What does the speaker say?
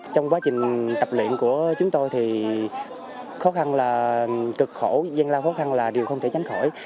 trong quá trình tập luyện của chúng tôi thì khó khăn là cực khổ gian lao khó khăn là điều không thể tránh khỏi